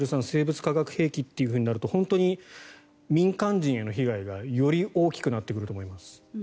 生物・化学兵器となると本当に民間人への被害が絶対に大きくなってくると思います。